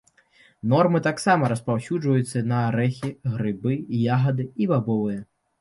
Нормы таксама распаўсюджваюцца на арэхі, грыбы, ягады і бабовыя.